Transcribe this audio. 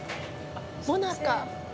もなか。